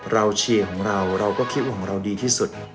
เชียร์ของเราเราก็คิดว่าของเราดีที่สุด